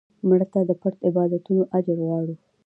مړه ته د پټ عبادتونو اجر غواړو